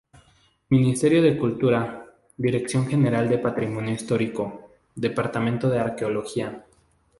Ministerio de Cultura, Dirección General de Patrimonio Histórico, Departamento de Arqueología.